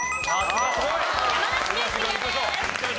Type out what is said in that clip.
山梨県クリアです。